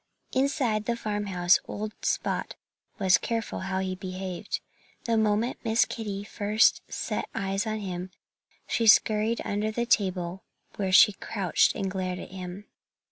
Inside the farmhouse old Spot was careful how he behaved. The moment Miss Kitty first set eyes on him she scurried under the table, where she crouched and glared at him.